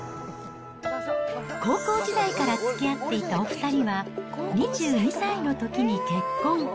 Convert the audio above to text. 高校時代からつきあっていたお２人は、２２歳のときに結婚。